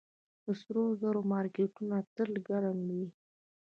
د سرو زرو مارکیټونه تل ګرم وي